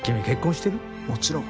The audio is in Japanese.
もちろん。